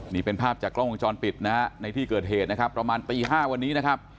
นี่เป็นภาพจากกล้องวงจรปิดในที่เกิดเหตุประมาณปี๕วันนี้